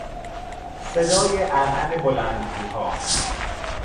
صدای عرعر بلندگوها